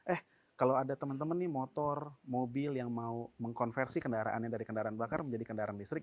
eh kalau ada teman teman nih motor mobil yang mau mengkonversi kendaraannya dari kendaraan bakar menjadi kendaraan listrik